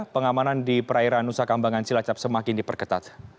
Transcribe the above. pengamanan di perairan nusa kambangan cilacap semakin diperketat